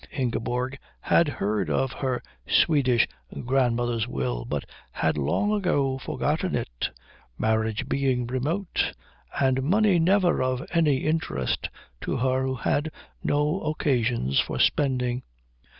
Ingeborg had heard of her Swedish grandmother's will, but had long ago forgotten it, marriage being remote and money never of any interest to her who had no occasions for spending.